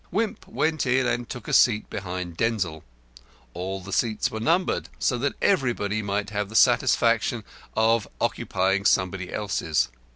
Wimp went in and took a seat behind Denzil. All the seats were numbered, so that everybody might have the satisfaction of occupying somebody else's.